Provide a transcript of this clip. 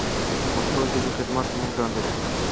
د پښتو ژبې خدمت زموږ دنده ده.